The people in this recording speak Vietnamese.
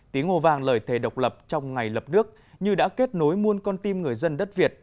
tiếng hồ vàng lời thề độc lập trong ngày lập nước như đã kết nối muôn con tim người dân đất việt